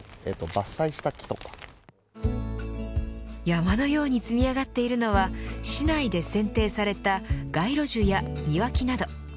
山のように積み上がっているのは市内で剪定された街路樹や庭木など。